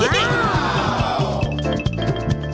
ว้าว